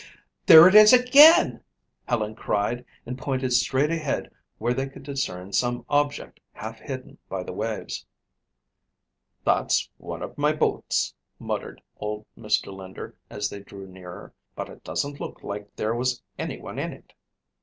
"There it is again," Helen cried and pointed straight ahead where they could discern some object half hidden by the waves. "That's one of my boats," muttered old Mr. Linder as they drew nearer, "but it doesn't look like there was anyone in it."